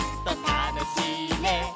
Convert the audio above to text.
「たのしいね」